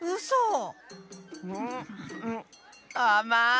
あまい！